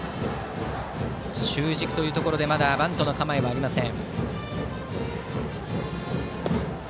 中軸というところでまだバントの構えはありません。